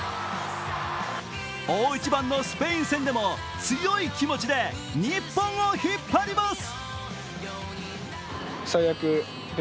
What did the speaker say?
大一番のスペイン戦でも強い気持ちで日本を引っ張ります。